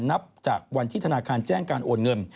นับจากวันที่ธนาคารแจ้งการโอนเงิน